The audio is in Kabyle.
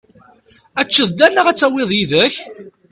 Ad teččeḍ da neɣ ad tawiḍ yid-k?